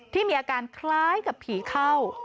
ที่มีอาการคล้ายกับผีเข้า